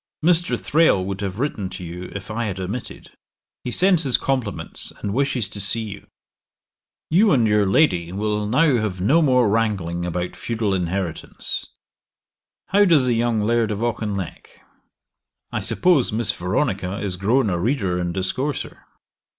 Mr. Thrale would have written to you if I had omitted; he sends his compliments and wishes to see you. 'You and your lady will now have no more wrangling about feudal inheritance. How does the young Laird of Auchinleck? I suppose Miss Veronica is grown a reader and discourser.